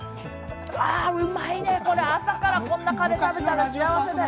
あ、うまいね、これ、朝からこんなカレー食べたら幸せだよ。